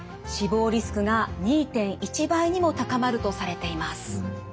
死亡リスクが２．１倍にも高まるとされています。